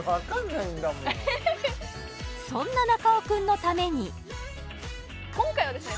そんな中尾君のために今回はですね